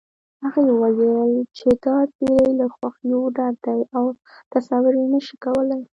هغې وويل چې دا زيری له خوښيو ډک دی او تصور يې نشې کولی